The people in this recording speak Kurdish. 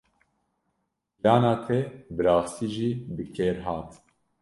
Plana te bi rastî jî bi kêr hat.